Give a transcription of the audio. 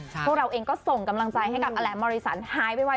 พวกเราเองก็ส่งกำลังใจให้กับอแหลมมริสันหายไปไว